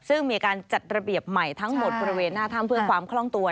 ซึ่งมีการจัดระเบียบใหม่ทั้งหมดบริเวณหน้าถ้ำเพื่อความคล่องตัว